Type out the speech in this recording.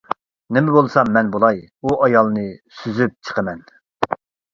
نېمە بولسام مەن بولاي، ئۇ ئايالنى سۈزۈپ چىقىمەن!